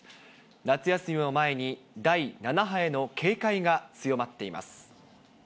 夏休みを前に、第７波への警戒が強まっています。